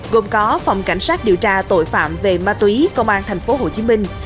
gồm có phòng cảnh sát điều tra tội phạm về ma túy công an thành phố hồ chí minh